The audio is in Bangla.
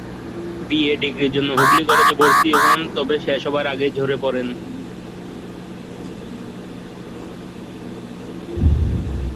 বিএ ডিগ্রির জন্য হুগলি কলেজে ভর্তি হন তবে শেষ হবার আগেই ঝরে পড়েন।